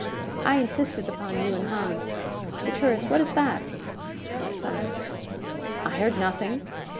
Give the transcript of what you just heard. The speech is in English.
"I insisted upon you and Hans Gutierrez, what is that?" A silence. "I heard nothing."